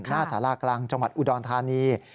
หน้าสารากลางจังหวัดอุดรธานี